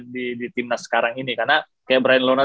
di timnas sekarang ini karena kayak brian lona